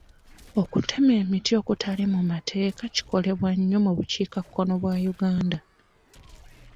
Okutema emiti okutali mu mateeka kikolebwa nnyo mu bukiikakkono bwa Uganda.